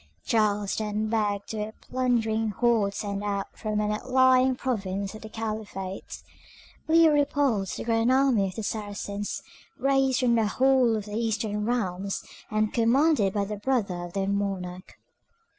Charles turned back a plundering horde sent out from an outlying province of the Caliphate. Leo repulsed the grand army of the Saracens, raised from the whole of their eastern realms, and commanded by the brother of their monarch.